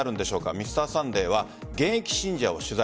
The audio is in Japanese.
「Ｍｒ．サンデー」は現役信者を取材。